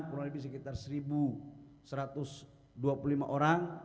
kurang lebih sekitar satu satu ratus dua puluh lima orang